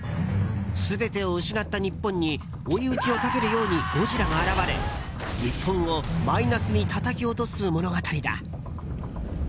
全てを失った日本に追い打ちをかけるようにゴジラが現れ、日本をマイナスにたたき落とす物語だ。